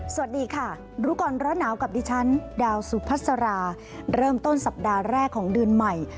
สวัสดีค่ะรู้ก่อนร้อนหนาวกับดิฉันดาวสุพัสราเริ่มต้นสัปดาห์แรกของเดือนใหม่